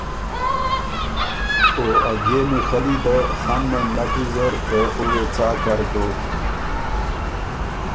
او ا بيې میخلي ده خنېن نک ویزر که او وې څا کر دوک؟